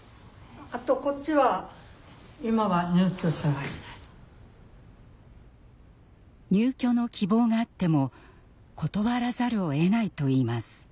あとこっちは入居の希望があっても断らざるをえないといいます。